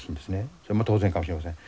それも当然かもしれません。